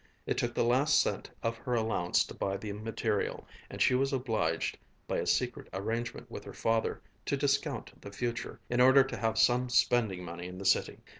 It took the last cent of her allowance to buy the material, and she was obliged, by a secret arrangement with her father, to discount the future, in order to have some spending money in the city.